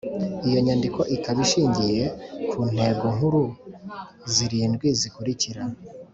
iyo nyandiko ikaba ishingiye ku ntego nkuru zirindwi zikurikira: